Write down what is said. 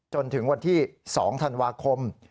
จนถึงวันที่๒ธันวาคม